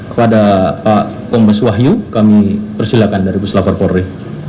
kepada pak kompos wahyu kami persilahkan dari puslab for fori